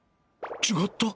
違った？